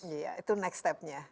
iya itu next stepnya